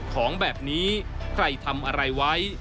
ของแบบนี้ใครทำอะไรไว้